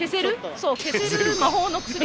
そう。